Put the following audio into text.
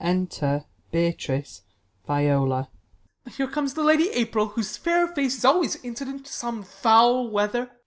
Enter Beatrice, Viola. Ben. Here comes the Lady April, whose fair face Is always incident to some foul weather.